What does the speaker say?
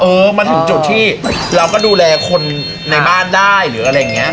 มาถึงจุดที่เราก็ดูแลคนในบ้านได้หรืออะไรอย่างนี้